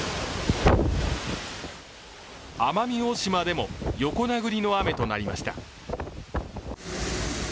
奄美大島でも横殴りの雨となりました。